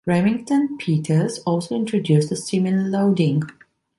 Remington-Peters also introduced a similar loading.